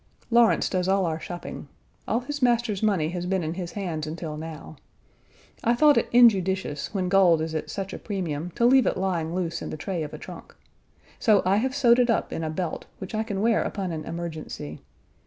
Lawrence does all our shopping. All his master's money has been in his hands until now. I thought it injudicious Page 101 when gold is at such a premium to leave it lying loose in the tray of a trunk. So I have sewed it up in a belt, which I can wear upon an emergency.